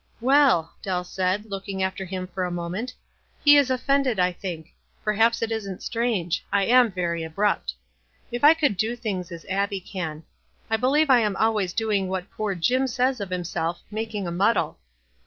"Well," Deli said, looking after him for a moment, "be is offended, I think. Perhaps it isn't strange. I am very abrupt. If I could do things as Abbic can. I believe I am always doing what poor Jim sa}~s of himself, f making a muddle.'